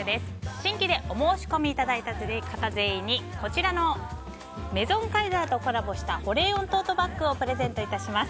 新規でお申し込みいただいた方全員に、こちらのメゾンカイザーとコラボした保冷温トートバッグをプレゼントいたします。